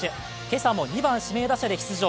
今朝も２番・指名打者で出場。